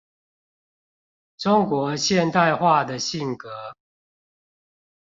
中國現代化的性格